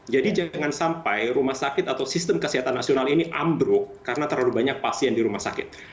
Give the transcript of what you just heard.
jadi jangan sampai rumah sakit atau sistem kesehatan nasional ini ambruk karena terlalu banyak pasien di rumah sakit